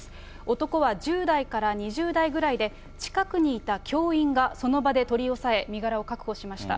男は１０代から２０代ぐらいで、近くにいた教員がその場で取り押さえ、身柄を確保しました。